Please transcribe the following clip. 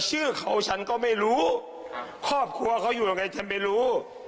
ชื่อเขาฉันก็ไม่รู้ครอบครัวเขาอยู่ยังไงฉันไม่รู้